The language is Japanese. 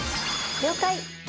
「了解！」